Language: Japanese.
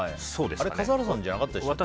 あれ、笠原さんじゃなかったでしたっけ？